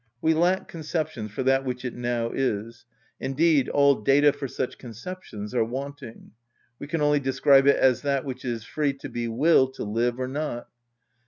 We lack conceptions for that which it now is; indeed all data for such conceptions are wanting. We can only describe it as that which is free to be will to live or not.